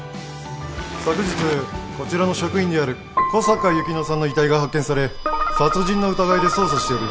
昨日こちらの職員である小坂由希乃さんの遺体が発見され殺人の疑いで捜査しております。